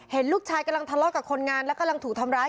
เห็นลูกชายกำลังทะเลาะกับคนงานและกำลังถูกทำร้าย